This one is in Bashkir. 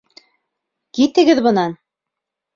Китегеҙ бынан!